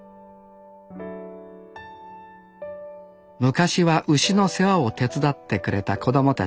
昔は牛の世話を手伝ってくれた子供たち。